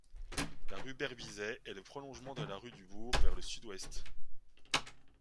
La rue Berbisey est le prolongement de la rue du Bourg vers le sud-ouest.